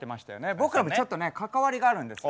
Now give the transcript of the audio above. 僕らもちょっとね関わりがあるんですよ。